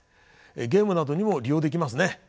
ゲームなどにも利用できますね。